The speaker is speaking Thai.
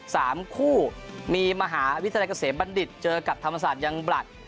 สามคู่มีมหาวิทยาลัยเกษมบัณฑิตเจอกับธรรมศาสตร์ยังบลัด